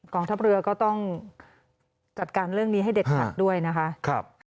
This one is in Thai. องทัพเรือก็ต้องจัดการเรื่องนี้ให้เด็ดขัดด้วยนะคะ